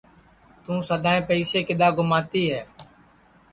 توں سدائیں پئسے کِدؔا گُماتی ہے